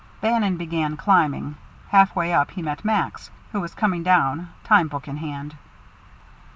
Bannon began climbing; halfway up he met Max, who was coming down, time book in hand.